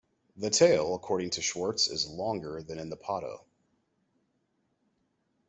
The tail, according to Schwartz, is longer than in the potto.